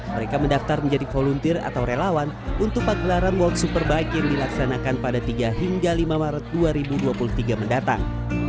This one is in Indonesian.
mereka mendaftar menjadi volunteer atau relawan untuk pagelaran world superbike yang dilaksanakan pada tiga hingga lima maret dua ribu dua puluh tiga mendatang